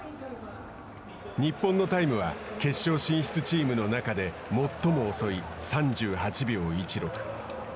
日本のタイムは決勝進出チームの中で最も遅い３８秒１６。